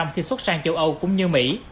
khi xuất sang châu âu cũng như mỹ